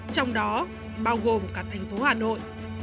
trong đó bao gồm cả thành phố hà nội